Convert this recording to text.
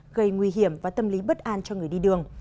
gây nguy hiểm và tâm lý bất an cho người đi đường